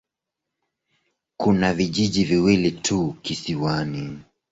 Kuna vijiji viwili tu kisiwani.